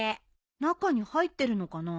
中に入ってるのかな？